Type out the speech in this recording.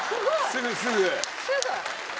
すぐすぐ。